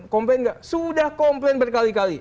komplain nggak sudah komplain berkali kali